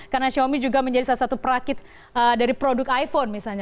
karena xiaomi juga menjadi salah satu perakit dari produk iphone misalnya